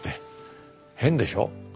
変でしょ。